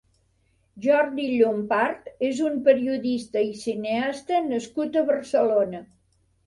Jordi Llompart és un periodista i cineasta nascut a Barcelona.